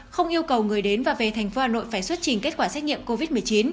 không yêu cầu người đến và về thành phố hà nội phải xuất trình kết quả xét nghiệm covid một mươi chín